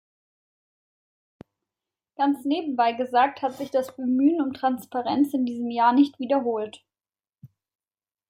Ganz nebenbei gesagt, hat sich das Bemühen um Transparenz in diesem Jahr nicht wiederholt.